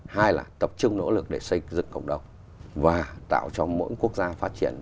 hai là tập trung nỗ lực để xây dựng cộng đồng và tạo cho mỗi quốc gia phát triển